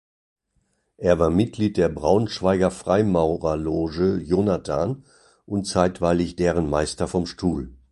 Er war Mitglied der Braunschweiger Freimaurerloge Jonathan und zeitweilig deren Meister vom Stuhl.